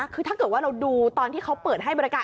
คือถ้าเกิดว่าเราดูตอนที่เขาเปิดให้บริการ